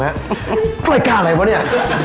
รายการอะไรแบบนี้